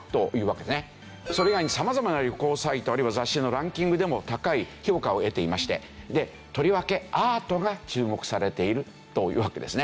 それ以外に様々な旅行サイトあるいは雑誌のランキングでも高い評価を得ていましてとりわけアートが注目されているというわけですね。